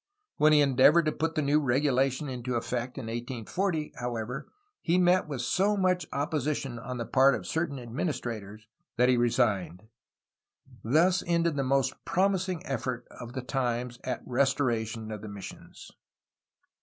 When he endeavored to put the new regulations into effect in 1840, however, he met with so much opposition on the part of certain adminis trators that he resigned. Thus ended the most promising effort of the times at restoration of the missions.